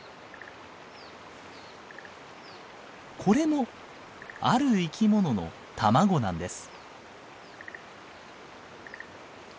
これもある生き物の卵なんです。